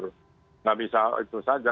tidak bisa itu saja